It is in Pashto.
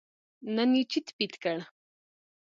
نن یې چیت پیت کړ.